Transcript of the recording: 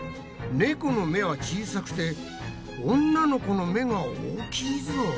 猫の目は小さくて女の子の目が大きいぞ！